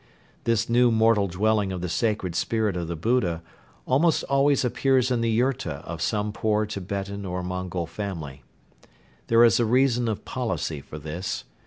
This new mortal dwelling of the sacred spirit of the Buddha almost always appears in the yurta of some poor Tibetan or Mongol family. There is a reason of policy for this.